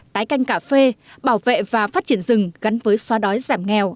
tái canh cà phê bảo vệ và phát triển rừng gắn với xóa đói giảm nghèo